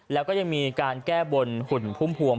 แล้วก็ยังมีการแก้บนหุ่นพุ่มพวง